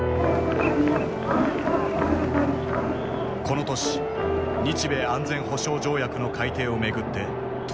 この年日米安全保障条約の改定をめぐって闘争が激化。